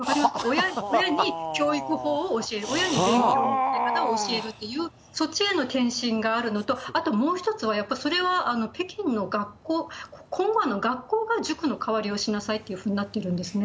親に教育法を教える、親に勉強の教え方を教えるという、そっちへの転身があるのと、あともう１つはそれは北京の学校、塾の代わりをしなさいというふうになってるんですね。